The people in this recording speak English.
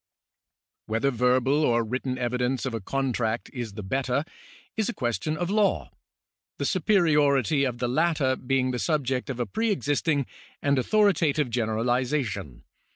Whether verbal or written evidence of a contract is the better, is a question of law, the superiority of the latter being the subject of a pre existing and authoritative generalisation.